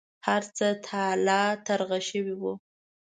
هرڅه تالا ترغه شوي و.